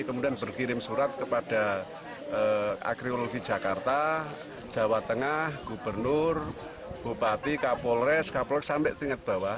kemudian berkirim surat kepada agriologi jakarta jawa tengah gubernur bupati kapolres kapolres sampai tingkat bawah